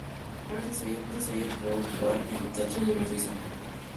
Gracias a ello pudo actuar en el Teatro de Basilea, en Suiza.